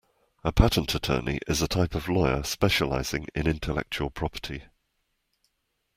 A patent attorney is a type of lawyer specialising in intellectual property